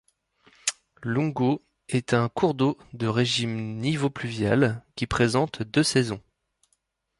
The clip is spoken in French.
L'Oungo est un cours d'eau de régime nivo-pluvial qui présente deux saisons.